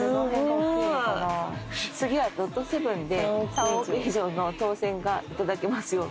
「次はロト７で３億以上の当選が頂けますよう」